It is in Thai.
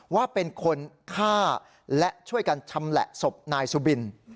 ว่าเป็นคนฆ่าและช่วยกันชำแหละศพนายสุบิน